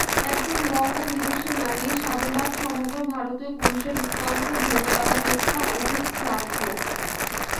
এজন্য বঙ্গ-বিদুষী নারীর সাধুবাদ সমগ্র ভারতীয় পুরুষের উৎকণ্ঠ ধন্যবাদাপেক্ষাও অধিক শ্লাঘ্য।